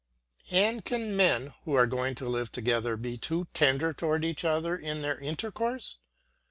And can men who are going to live together be too tender toward each other in their intercourse?